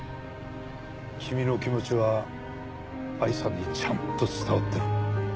君の気持ちは藍さんにちゃんと伝わってる。